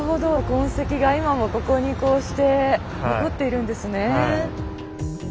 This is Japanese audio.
痕跡が今もここにこうして残っているんですね。